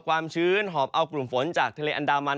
ความชื้นหอบเอากลุ่มฝนจากทะเลอันดามัน